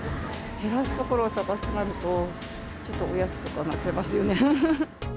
減らすところを探すとなると、ちょっとおやつとかになっちゃいますよね。